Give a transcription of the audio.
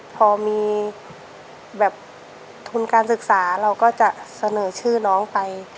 พอมีแบบทุนการศึกษาเราก็จะเสนอชื่อน้องไป